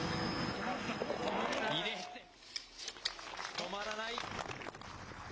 止まらない。